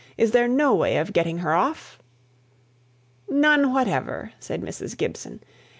Is there no way of getting her off?" "None whatever," said Mrs. Gibson.